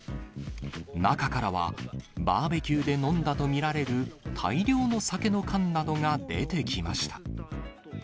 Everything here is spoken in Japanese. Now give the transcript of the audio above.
中からは、バーベキューで飲んだと見られる大量の酒の缶などが出てきました。